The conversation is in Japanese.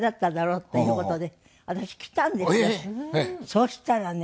そしたらね